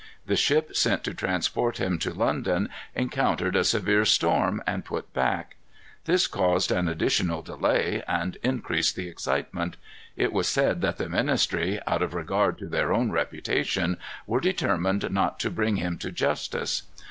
The ship sent to transport him to London encountered a severe storm and put back. This caused an additional delay, and increased the excitement. It was said that the ministry, out of regard to their own reputation, were determined not to bring him to justice.